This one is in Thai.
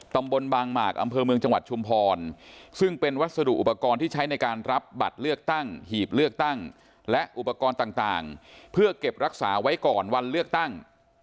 ตำบลบางหมากอำเภอเมืองจังหวัดชุมพรซึ่งเป็นวัสดุอุปกรณ์ที่ใช้ในการรับบัตรเลือกตั้งหีบเลือกตั้งและอุปกรณ์ต่างเพื่อเก็บรักษาไว้ก่อนวันเลือกตั้ง